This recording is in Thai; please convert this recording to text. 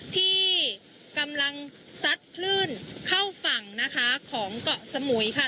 ที่กำลังซัดคลื่นเข้าฝั่งนะคะของเกาะสมุยค่ะ